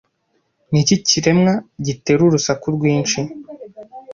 Niki kiremwa gitera urusaku rwinshi